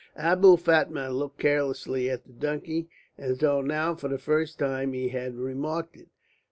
Abou Fatma looked carelessly at the donkey as though now for the first time he had remarked it.